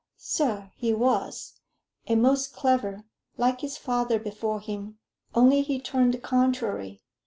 "Sir, he was, and most clever, like his father before him, only he turned contrary.